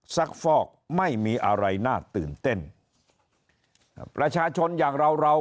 ฟอกไม่มีอะไรน่าตื่นเต้นประชาชนอย่างเราเรา